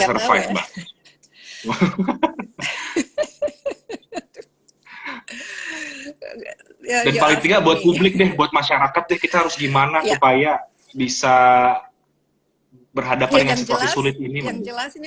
buat publik buat masyarakat kita harus gimana supaya bisa berhadapan dengan